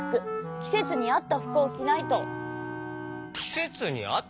きせつにあったふくをきないと。